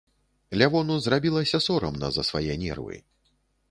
Лявону зрабілася сорамна за свае нервы.